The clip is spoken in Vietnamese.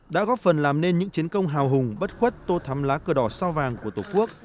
đã góp phần làm nên những chiến công hào hùng bất khuất tô thắm lá cờ đỏ sao vàng của tổ quốc